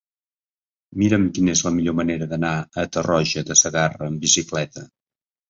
Mira'm quina és la millor manera d'anar a Tarroja de Segarra amb bicicleta.